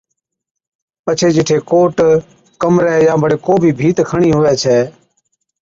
پڇي جِٺي ڪوٽ، ڪمرَي يان بڙي ڪوبِي ڀِيت کڻڻِي هُوَي ڇَي